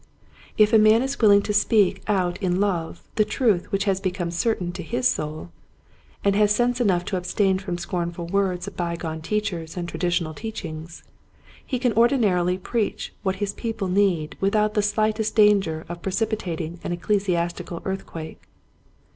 If a man is willing to speak out in love the truth which has become certain to his soul, and has sense enough to abstain from scornful words of by gone teachers and traditional teachings, he can ordinarily preach what his people need without the slightest danger of precipitating an ecclesi astical earthquake.